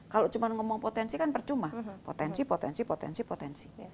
kalau cuma ngomong potensi kan percuma potensi potensi potensi